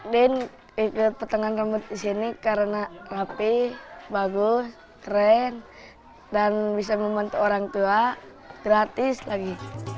dan ikut petengan rambut di sini karena rapih bagus keren dan bisa membantu orang tua gratis lagi